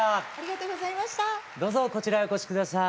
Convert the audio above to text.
どうぞこちらへお越し下さい。